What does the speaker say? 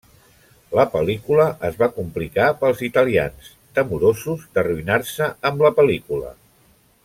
La pel·lícula es va complicar pels italians, temorosos d'arruïnar-se amb la pel·lícula.